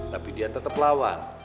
tapi dia tetep lawan